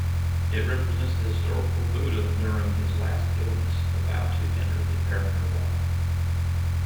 It represents the historical Buddha during his last illness, about to enter the parinirvana.